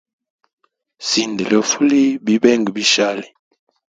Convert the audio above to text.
Sinda lyofuliya bibenga bishali.